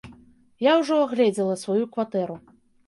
Я ўжо агледзела сваю кватэру.